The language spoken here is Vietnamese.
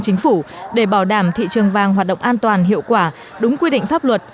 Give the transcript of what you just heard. chính phủ để bảo đảm thị trường vàng hoạt động an toàn hiệu quả đúng quy định pháp luật